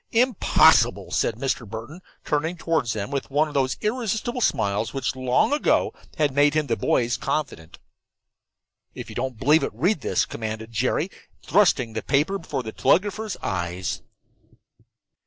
"Impossible," said Mr. Burton, turning toward them with one of those irresistible smiles which long ago had made him the boys' confidant. "If you don't believe it, read this," commanded Jerry, thrusting the paper before the telegrapher's eyes.